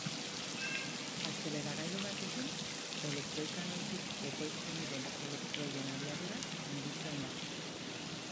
Azeleragailu batekin, elektroi-kanoitik ekoizten diren elektroien abiadura handitzen da.